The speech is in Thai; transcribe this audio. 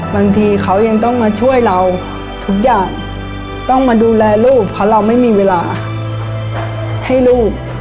บางทีเขายังต้องมาช่วยเราทุกอย่างต้องมาดูแลลูกเพราะเราไม่มีเวลาให้ลูก